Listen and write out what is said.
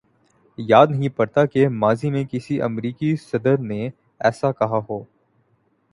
یاد نہیں پڑتا کہ ماضی میں کسی امریکی صدر نے ایسا کہا ہو۔